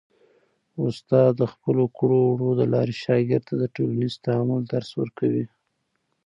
استاد د خپلو کړو وړو د لارې شاګرد ته د ټولنیز تعامل درس ورکوي.